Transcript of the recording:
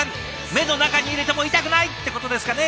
目の中に入れても痛くない！ってことですかね？